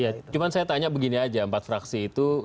ya cuma saya tanya begini aja empat fraksi itu